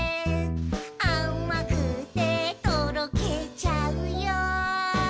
「あまくてとろけちゃうよ」